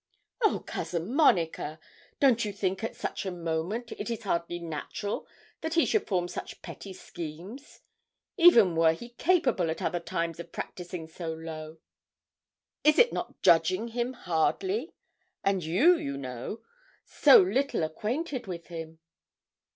'Oh, Cousin Monica, don't you think at such a moment it is hardly natural that he should form such petty schemes, even were he capable at other times of practising so low? Is it not judging him hardly? and you, you know, so little acquainted with him.'